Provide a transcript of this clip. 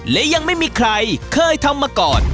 และยังไม่มีใครเคยทำมาก่อน